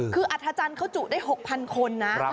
คืออัธจันทร์เขาจุได้๖๐๐คนนะ